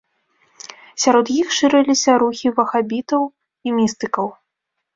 Сярод іх шырыліся рухі вахабітаў і містыкаў.